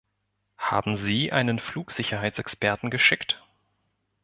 Haben Sie einen Flugsicherheitsexperten geschickt?